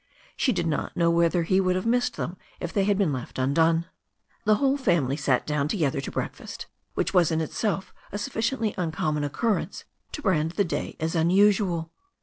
She did not know whether he would have missed them if they had been left undone. The whole family sat down together to breakfast, which was in itself a sufficiently uncommon occurrence to brand the day as unusual.